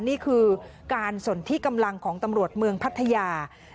นี่คือการสนที่กำลังของตำรวจเมืองพัทยา